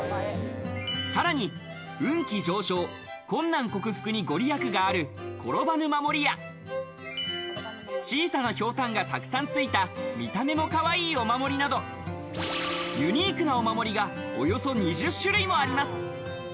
さらに運気上昇、困難克服に御利益がある転ばぬ守や、小さなひょうたんが、たくさんついた見た目はかわいいお守りなど、ユニークなお守りが、およそ２０種類もあります。